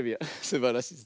すばらしい。